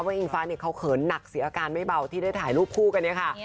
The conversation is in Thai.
อิงฟ้าเนี่ยเขาเขินหนักเสียอาการไม่เบาที่ได้ถ่ายรูปคู่กันเนี่ยค่ะ